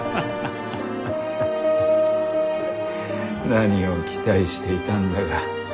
何を期待していたんだか。